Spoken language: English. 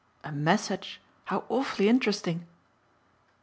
"A message? How awfully interesting!"